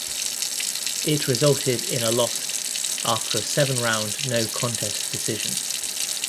It resulted in a lost after a seven round no contest decision.